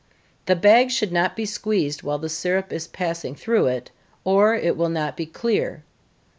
The bag should not be squeezed while the syrup is passing through it, or it will not be clear.